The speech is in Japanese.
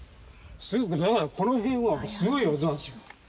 すごくだからこの辺はすごい音なんですよ。